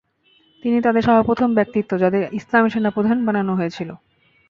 তিনি তাদের সর্বপ্রথম ব্যক্তিত্ব, যাদের ইসলামে সেনাপ্রধান বানানো হয়েছিল।